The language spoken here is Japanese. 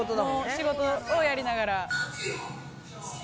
仕事をやりながら。